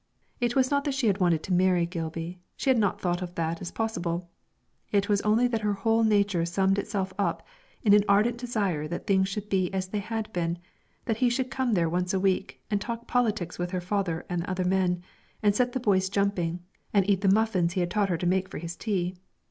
It was not that she had wanted to marry Gilby; she had not thought of that as possible; it was only that her whole nature summed itself up in an ardent desire that things should be as they had been, that he should come there once a week, and talk politics with her father and other men, and set the boys jumping, and eat the muffins he had taught her to make for his tea.